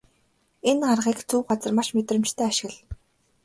Энэ аргыг зөв газар маш мэдрэмжтэй ашигла.